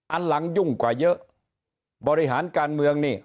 อันหลังยุ่งกว่าเยอะบริหารการเมืองนี่